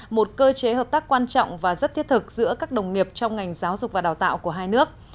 một cơ chế hợp tác quan trọng và rất thiết thực giữa các đồng nghiệp trong ngành giáo dục và đào tạo của hai nước